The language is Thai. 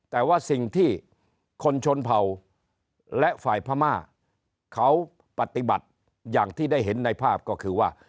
แต่ว่าสิ่งที่คนชนเผ่าและฝ่ายพม่าเขาปฏิบัติอย่างที่ได้เห็นในภาพก็คือว่า